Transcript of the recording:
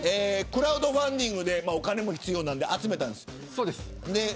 クラウドファンディングでお金も必要なんで集めたんです。